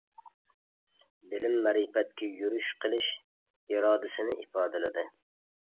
بىلىم مەرىپەتكە يۈرۈش قىلىش ئىرادىسىنى ئىپادىلىدى.